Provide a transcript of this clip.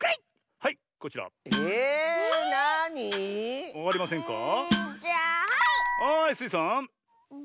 はいスイさん。